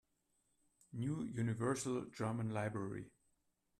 New Universal German Library.